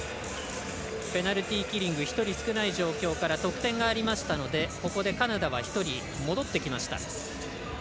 ペナルティーキリング１人少ない状況から得点がありましたのでここでカナダは１人戻りました。